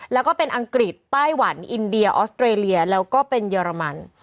แล้วก็เป็นอังกฤษไต้หวันอินเดียออสเตรเลียแล้วก็เป็นเยอรมัน